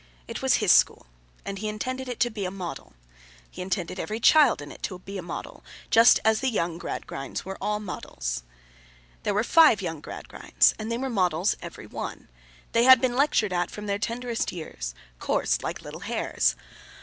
It was his school, and he intended it to be a model. He intended every child in it to be a model—just as the young Gradgrinds were all models. There were five young Gradgrinds, and they were models every one. They had been lectured at, from their tenderest years; coursed, like little hares.